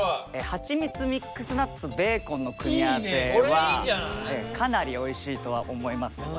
はちみつミックスナッツベーコンの組み合わせはかなりおいしいとは思いますね。